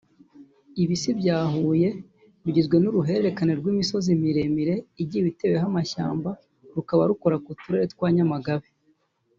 Ibisi bya Huye bigizwe n’uruhererekane rw’imisozi miremire igiye iteweho amashyamba rukaba rukora ku Turere twa Nyamagabe